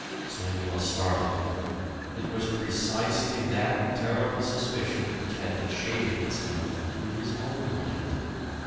Samuel started. It was precisely that terrible suspicion which had been shaping itself in his own mind.